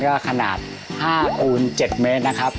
ก็ขนาด๕คูณ๗เมตรนะครับ